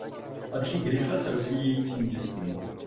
Patří k rychle se rozvíjejícím městům.